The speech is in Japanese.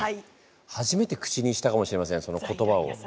初めて口にしたかもしれませんその言葉を。